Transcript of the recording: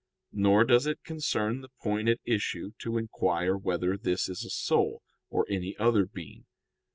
Nor does it concern the point at issue to inquire whether this is a soul or any other thing.